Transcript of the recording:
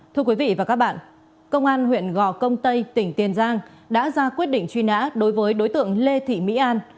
thưa quý vị và các bạn công an huyện gò công tây tỉnh tiền giang đã ra quyết định truy nã đối với đối tượng lê thị mỹ an